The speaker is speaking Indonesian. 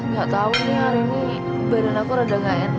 gak tahu nih hari ini badan aku agak gak enak